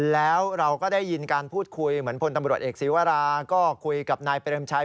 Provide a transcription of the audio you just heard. แล้วเราก็ได้ยินการพูดคุยเหมือนพลตำรวจเอกศีวราก็คุยกับนายเปรมชัย